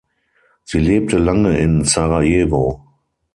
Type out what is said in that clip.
Sie lebte lange in Sarajevo.